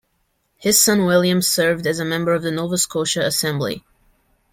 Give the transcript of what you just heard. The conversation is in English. His son William served as a member of the Nova Scotia assembly.